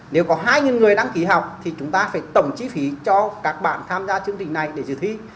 nếu có hai người đăng ký học thì chúng ta phải tổng chi phí cho các bạn tham gia chương trình này để dự thi